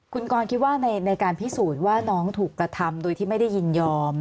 คุณกรคิดว่าในการพิสูจน์ว่าน้องถูกกระทำโดยที่ไม่ได้ยินยอม